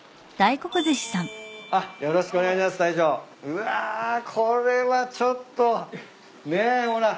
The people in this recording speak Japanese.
うわこれはちょっとねえほら。